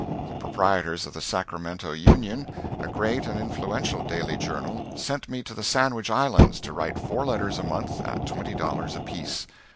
The proprietors of the "Sacramento Union," a great and influential daily journal, sent me to the Sandwich Islands to write four letters a month at twenty dollars apiece.